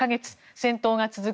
戦闘が続く